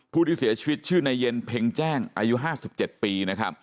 ผู้ที่เสียชีวิตชื่อนายเย็นเพ็งแจ้งอายุ๕๗ปี